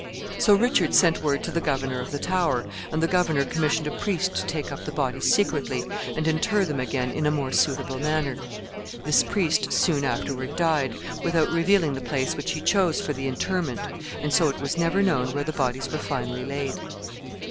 So Richard sent word to the governor of the Tower, and the governor commissioned a priest to take up the bodies secretly, and inter them again in a more suitable manner. This priest soon afterward died, without revealing the place which he chose for the interment, and so it was never known where the bodies were finally laid.